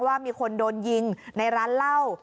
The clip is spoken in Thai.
ว่ามีคนโดนยิงในร้านเหล้า